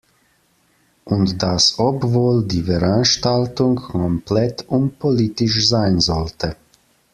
Und das obwohl die Veranstaltung komplett unpolitisch sein sollte.